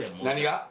何が？